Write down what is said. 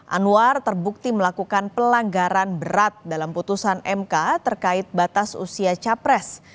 anwar terbukti melakukan pelanggaran berat dalam putusan mk terkait batas usia capres